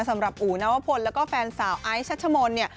สำหรับอู๋นาวพลแล้วก็แฟนสาวไอชัชโมนนี่